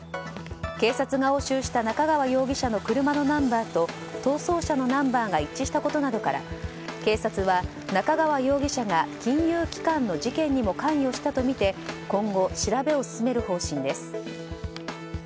警察が押収した中川容疑者の車のナンバーと逃走車のナンバーが一致したことなどから警察は、中川容疑者が金融機関の事件にも関与したとみて今後、調べを進める方針です。